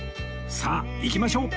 さあ行きましょう！